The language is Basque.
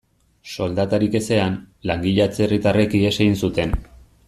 Soldatarik ezean, langile atzerritarrek ihes egin zuten.